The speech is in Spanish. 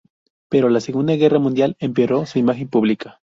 Pero la Segunda Guerra Mundial empeoró su imagen pública.